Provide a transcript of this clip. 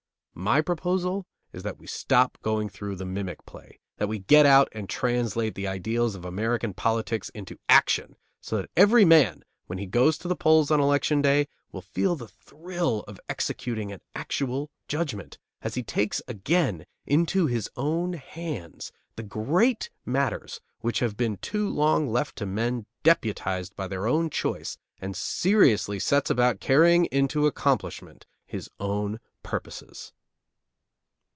My proposal is that we stop going through the mimic play; that we get out and translate the ideals of American politics into action; so that every man, when he goes to the polls on election day, will feel the thrill of executing an actual judgment, as he takes again into his own hands the great matters which have been too long left to men deputized by their own choice, and seriously sets about carrying into accomplishment his own purposes.